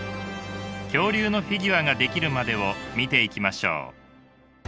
恐竜のフィギュアが出来るまでを見ていきましょう。